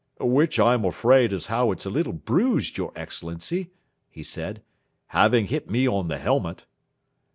"Which I'm afraid as how it's a little bruised, your Excellency," he said, "having hit me on the helmet."